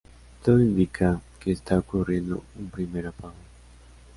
Todo indica que está ocurriendo un primer apagón.